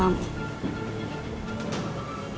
itu rumah tangga kamu